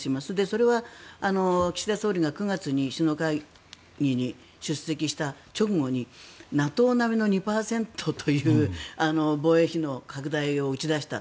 それは、岸田総理が９月に首脳会議に出席した直後にＮＡＴＯ並みの２％という防衛費の拡大を打ち出した。